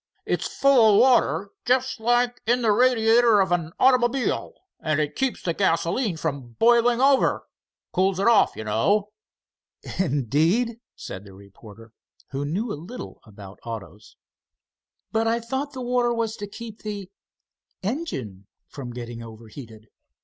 "It's full of water, just like in the radiator of an automobile, and it keeps the gasoline from boiling over—cools it off you know." "Indeed," said the reporter, who knew a little about autos. "But I thought the water was to keep the engine from getting overheated."